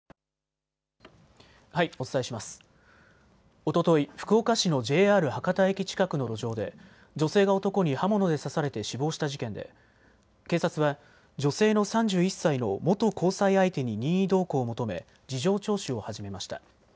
おととい福岡市のＪＲ博多駅近くの路上で女性が男に刃物で刺されて死亡した事件で警察は女性の３１歳の元交際相手に任意同行を求め事情聴取を始めました。